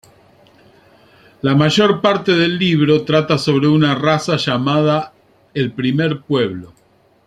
La mayor parte del libro trata sobre una raza llamada el Primer Pueblo.